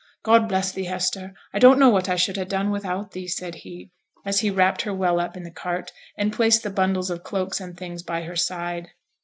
God bless thee, Hester. I don't know what I should ha' done without thee,' said he, as he wrapped her well up in the cart, and placed the bundles of cloaks and things by her side.